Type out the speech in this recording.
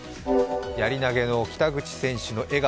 やり投げの北口選手の笑顔